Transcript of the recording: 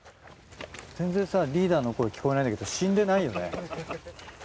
全然さリーダーの声聞こえないんだけど死んでないよね？